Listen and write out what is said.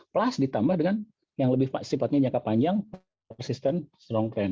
plus ditambah dengan yang lebih sifatnya jangka panjang persistent strong trend